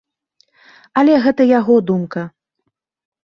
Але гэта яго думка.